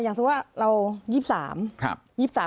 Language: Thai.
อย่างสมมติว่าเรา๒๓